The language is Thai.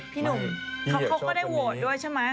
พี่หนุ่มเขาก็ได้โหวตด้วยใช่ไหม